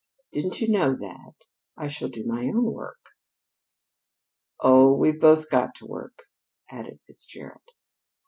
"Didn't you know that? I shall do my own work." "Oh, we've both got to work," added Fitzgerald.